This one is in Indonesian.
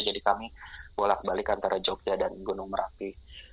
jadi kami bolak balik antara jogja dan gunung merapi